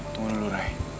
tunggu dulu ray